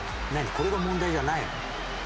これが問題じゃないの？